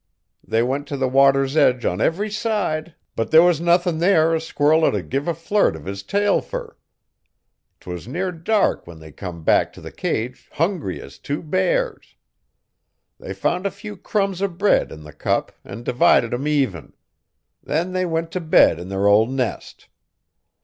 They went t' the water's edge on every side, but there was nuthin there a squirrel ud give a flirt uv his tail fer. 'Twas near dark when they come back t' the cage hungry as tew bears. They found a few crumbs o' bread in the cup an' divided 'em even. Then they went t' bed 'n their ol' nest.